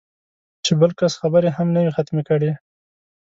چې بل کس خبرې هم نه وي ختمې کړې